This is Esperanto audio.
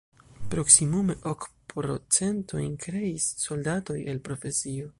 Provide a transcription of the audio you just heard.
Proksimume ok procentojn kreis soldatoj el profesio.